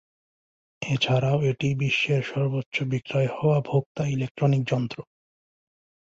এছাড়াও এটি বিশ্বের সর্বোচ্চ বিক্রয় হওয়া ভোক্তা ইলেক্ট্রনিক যন্ত্র।